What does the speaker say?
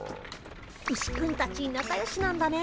ウシくんたちなかよしなんだね。